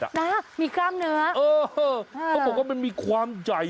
นะมีกล้ามเนื้อเออเขาบอกว่ามันมีความใหญ่